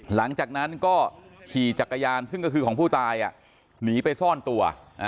หลังจากนั้นก็ขี่จักรยานซึ่งก็คือของผู้ตายหนีไปซ่อนตัว